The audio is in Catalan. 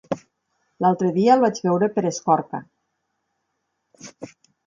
L'altre dia el vaig veure per Escorca.